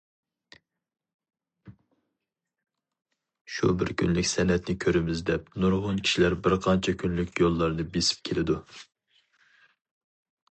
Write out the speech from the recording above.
شۇ بىر كۈنلۈك سەنئەتنى كۆرىمىز، دەپ نۇرغۇن كىشىلەر بىرقانچە كۈنلۈك يوللارنى بېسىپ كېلىدۇ.